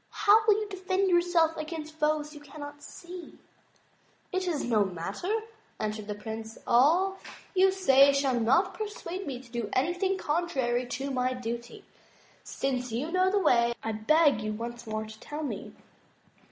How will you defend yourself against foes you cannot see?" It is no matter," answered the Prince, "all you say shall not persuade me to do anything contrary to my duty. Since you know the way I beg you once more to tell me."